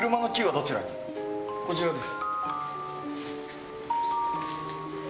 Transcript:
こちらです。